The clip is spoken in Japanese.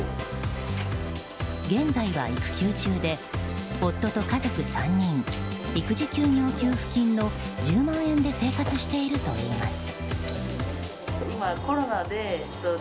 現在は育休中で夫と家族３人育児休業給付金の１０万円で生活しているといいます。